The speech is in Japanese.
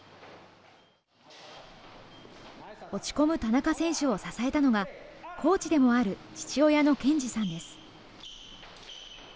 落ち込む田中選手を支えたのが、コーチでもある父親の健二さんです。